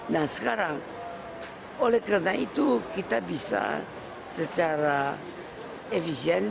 nah sekarang oleh karena itu kita bisa secara efisien